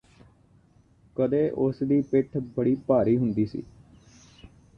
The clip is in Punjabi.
ਕਦੇ ਉਸਦੀ ਪਿੱਠ ਬੜੀ ਭਾਰੀ ਹੁੰਦੀ ਸੀ